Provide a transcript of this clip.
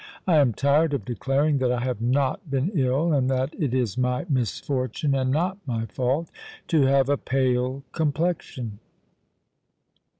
I am tired of declaring that I have not been ill, and that it is my misfortune and not my fault to have a pale complexion."